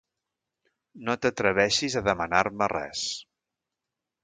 No t'atreveixis a demanar-me res!